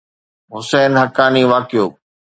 حسين حقاني واقعو